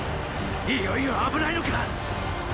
いよいよ危ないのかっ！